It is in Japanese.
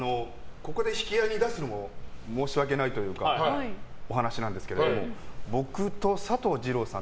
ここで引き合いに出すのも申し訳ないお話なんですけど僕と佐藤二朗さん